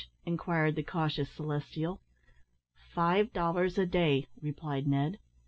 inquired the cautious Celestial. "Five dollars a day," replied Ned.